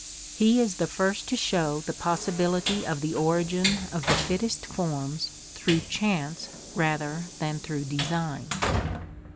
He is the first to show the pos sibility of the origin of the fittest forms through chance rather than through design.